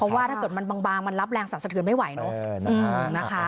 ว่าถ้าเกิดมันบางมันรับแรงสรรสะเทือนไม่ไหวเนอะนะคะ